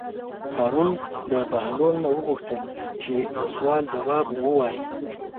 هارون د بهلول نه وغوښتل چې د سوال ځواب ووایي.